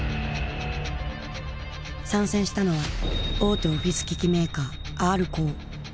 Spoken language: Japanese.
参戦したのは大手オフィス機器メーカーＲコー。